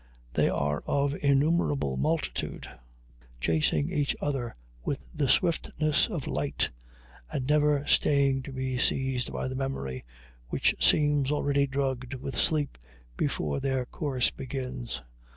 They are of innumerable multitude, chasing each other with the swiftness of light, and never staying to be seized by the memory, which seems already drugged with sleep before their course begins.